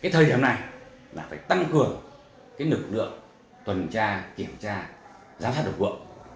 thời điểm này là phải tăng cường lực lượng tuần tra kiểm tra giám sát độc vượng